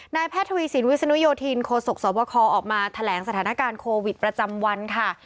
แพทย์ทวีสินวิศนุโยธินโคศกสวบคออกมาแถลงสถานการณ์โควิดประจำวันค่ะ